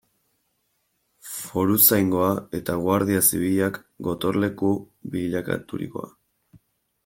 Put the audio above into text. Foruzaingoa eta Guardia Zibilak gotorleku bilakaturikoa.